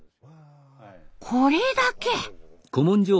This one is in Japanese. これだけ。